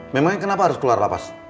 memang kenapa harus keluar lapas